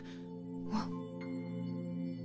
あっ。